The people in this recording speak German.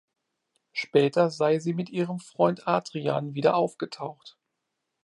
Später sei sie mit ihrem Freund Adrian wieder aufgetaucht.